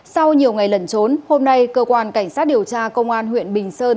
sau nhiều ngày lẩn trốn hôm nay cơ quan cảnh sát điều tra công an huyện bình sơn